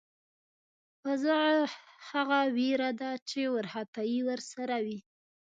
فذع هغه وېره ده چې وارخطایی ورسره وي.